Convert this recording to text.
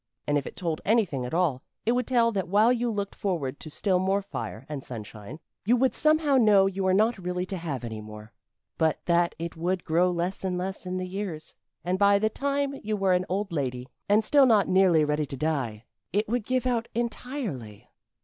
And if it told anything at all it would tell that while you looked forward to still more fire and sunshine, you would somehow know you were not really to have any more, but that it would grow less and less in the years, and by the time you were an old lady, and still not nearly ready to die, it would give out entirely."